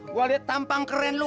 gua liat tampang keren lu